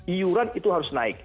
iuran itu harus naik